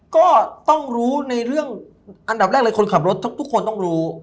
ก็ต้องรู้ในเรื่องอันดับแรกเลยคนขับรถทุกคนต้องรู้